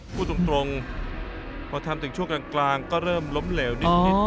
พูดตรงพอทำถึงช่วงกลางก็เริ่มล้มเหลวนิด